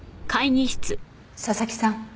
佐々木さん